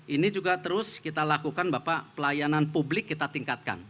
ini juga terus kita lakukan bapak pelayanan publik kita tingkatkan